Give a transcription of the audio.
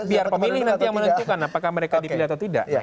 biar pemilih nanti yang menentukan apakah mereka dipilih atau tidak